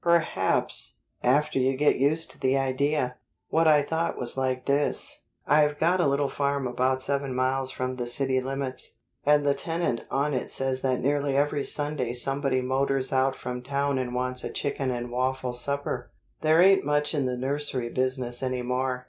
Perhaps, after you get used to the idea What I thought was like this. I've got a little farm about seven miles from the city limits, and the tenant on it says that nearly every Sunday somebody motors out from town and wants a chicken and waffle supper. There ain't much in the nursery business anymore.